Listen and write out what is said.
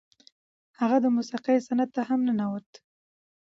هغه د موسیقۍ صنعت ته هم ننوت.